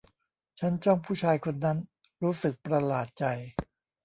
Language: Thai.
ฉันจ้องผู้ชายคนนั้น รู้สึกประหลาดใจ